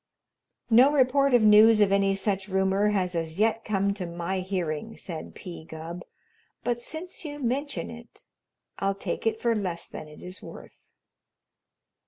"No report of news of any such rumor has as yet come to my hearing," said P. Gubb, "but since you mention it, I'll take it for less than it is worth."